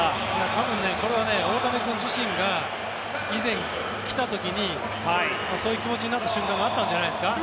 多分、これは大谷君自身が以前、来た時にそういう気持ちになった瞬間があったんじゃないですか。